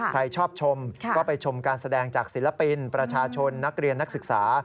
ใครชอบชมก็ไปชมการแสดงจากศิลปินประชาชนนักเรียนนักศึกษา